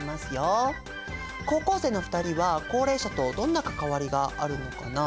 高校生の２人は高齢者とどんな関わりがあるのかな？